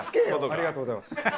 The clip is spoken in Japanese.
ありがとうございます。